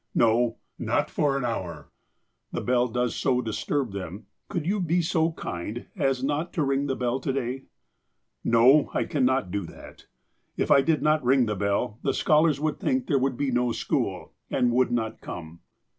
" No, not for an hour." " The bell does so disturb them. Could you be so kind as not to ring the bell to day ?" "No, I cannot do that. If I did not ring the bell, the scholars would think there would be no school, and would not come."